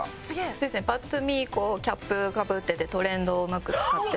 そうですねパッと見こうキャップかぶっててトレンドをうまく使ってる。